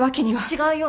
違うよ